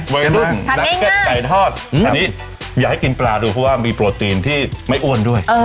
วัยรุ่นนักเก็ตไก่ทอดอันนี้อยากให้กินปลาดูเพราะว่ามีโปรตีนที่ไม่อ้วนด้วย